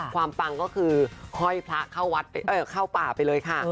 ความปังก็คือค่อยพระเข้าป่าไปเลยค่ะ